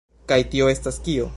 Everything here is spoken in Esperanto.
Kaj tio estas kio?